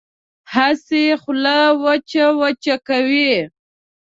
هسې خوله وچه وچه کوي.